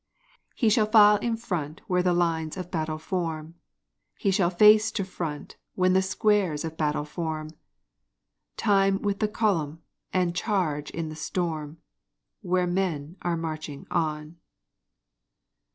He shall file in front where the lines of battle form, He shall face to front when the squares of battle form Time with the column, and charge in the storm, Where men are marching on.